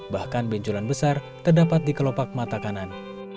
bahkan benculan besar terdapat di kelopak mata kanan